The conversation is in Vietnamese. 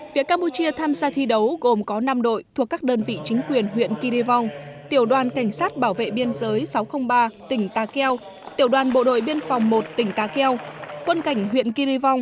phía campuchia tham gia thi đấu gồm có năm đội thuộc các đơn vị chính quyền huyện kirivon tiểu đoàn cảnh sát bảo vệ biên giới sáu trăm linh ba tỉnh ta keo tiểu đoàn bộ đội biên phòng một tỉnh takeo quân cảnh huyện kirivong